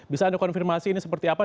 bisa anda konfirmasi ini seperti apa